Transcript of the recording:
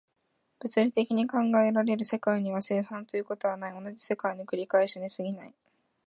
物理的に考えられる世界には、生産ということはない、同じ世界の繰り返しに過ぎない。